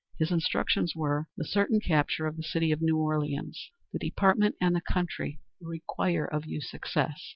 His instructions were, "The certain capture of the city of New Orleans. The Department and the country require of you success....